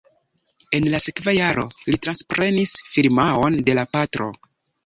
En la sekva jaro li transprenis firmaon de la patro.